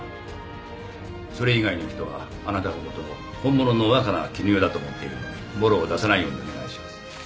それ以外の人はあなたのことを本物の若菜絹代だと思っているのでぼろを出さないようにお願いします。